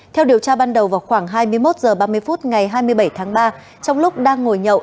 theo điều tra ban đầu vào khoảng hai mươi một h ba mươi phút ngày hai mươi bảy tháng ba trong lúc đang ngồi nhậu